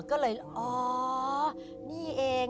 ก็เลยอ๋อนี่เอง